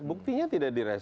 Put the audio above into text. buktinya tidak di respon